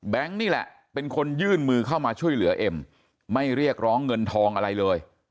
นี่แหละเป็นคนยื่นมือเข้ามาช่วยเหลือเอ็มไม่เรียกร้องเงินทองอะไรเลย